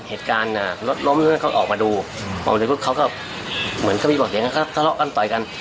พิการลดล้มเขาออกมาดูเขาก็เหมือนมีเบาะเสียงเขาเลาะกันต่อยกัน